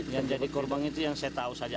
yang jadi korban itu yang saya tahu saja